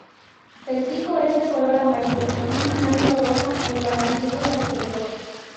El pico es de color amarillo con una mancha roja en la mandíbula inferior.